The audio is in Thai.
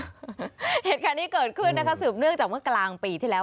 เหตุการณ์นี้เกิดขึ้นนะคะสืบเนื่องจากเมื่อกลางปีที่แล้ว